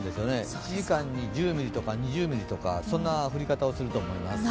１時間に１０ミリとか２０ミリという降り方をすると思います。